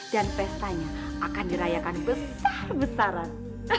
dan pestanya akan dirayakan besar besaran